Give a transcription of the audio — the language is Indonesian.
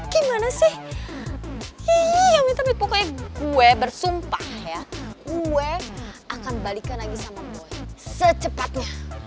gimana sih tapi pokoknya gue bersumpah ya gue akan balikan lagi sama gue secepatnya